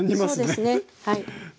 そうですねはい。